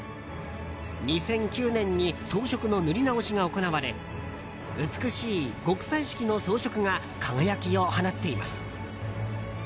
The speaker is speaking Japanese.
２００９年に装飾の塗り直しが行われ美しい極彩色の装飾が輝きを放っています。